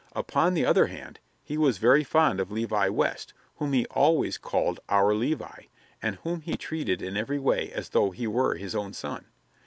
Upon the other hand, he was very fond of Levi West, whom he always called "our Levi," and whom he treated in every way as though he were his own son.